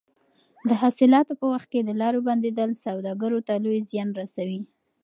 د حاصلاتو په وخت کې د لارو بندېدل سوداګرو ته لوی زیان رسوي.